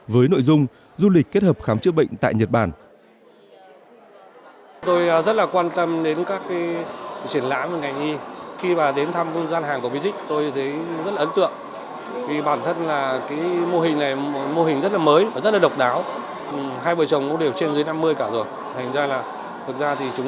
với nội dung du lịch kết hợp khám chữa bệnh tại nhật bản